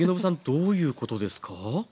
どういうことですか？